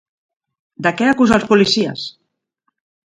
De què acusa els policies?